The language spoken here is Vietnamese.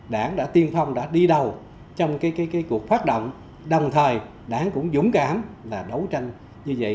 đảng đã tiên phong đã đi đầu trong cuộc phát động đồng thời đảng cũng dũng cảm là đấu tranh như vậy